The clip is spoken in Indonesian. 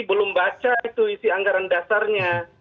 belum baca itu isi anggaran dasarnya